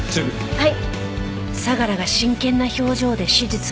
はい。